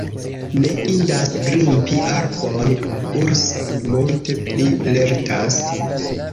Ne indas grimpi arbon: ursoj multe pli lertas.